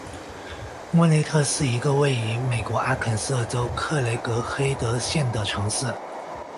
莫内特是一个位于美国阿肯色州克雷格黑德县的城市。